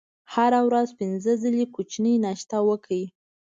هره ورځ پنځه ځلې کوچنۍ ناشته وکړئ.